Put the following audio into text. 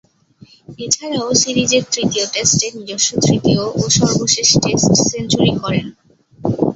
এছাড়াও সিরিজের তৃতীয় টেস্টে নিজস্ব তৃতীয় ও সর্বশেষ টেস্ট সেঞ্চুরি করেন।